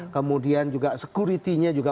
kemudian juga security nya juga